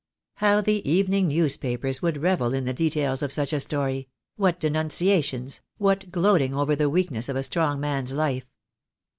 How the evening newspapers would revel in the details of such a story — what denunciations — what gloating over the weakness of a strong man's life.